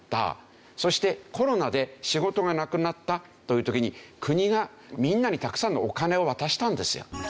そしてコロナで仕事がなくなったという時に国がみんなにたくさんのお金を渡したんですよ。